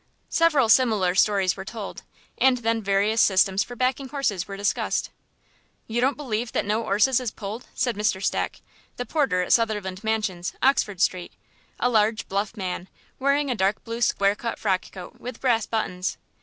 '" Several similar stories were told, and then various systems for backing horses were discussed. "You don't believe that no 'orses is pulled?" said Mr. Stack, the porter at Sutherland Mansions, Oxford Street, a large, bluff man, wearing a dark blue square cut frock coat with brass buttons.